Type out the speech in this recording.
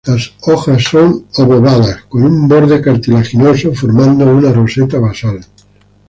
Las hojas son obovadas con un borde cartilaginoso formando una roseta basal.